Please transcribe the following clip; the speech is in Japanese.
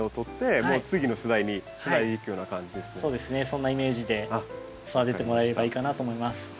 そんなイメージで育ててもらえればいいかなと思います。